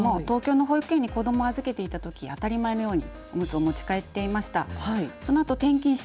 私もずいぶん前なんですけれども、東京の保育園に子ども預けていたとき、当たり前のようにおむつを持ち帰っていました。